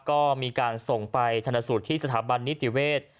ก็มีการส่งไปทันสุทธิ์ที่สถาบันนิติเวช